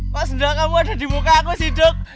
mas udah kamu ada di muka aku sih dok